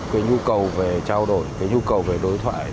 cái nhu cầu về trao đổi cái nhu cầu về đối thoại